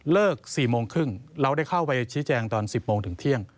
๔โมงครึ่งเราได้เข้าไปชี้แจงตอน๑๐โมงถึงเที่ยง